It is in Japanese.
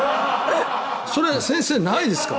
それ、先生、ないですか？